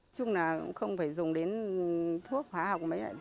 chúng là không phải dùng đến thuốc hóa học mấy lại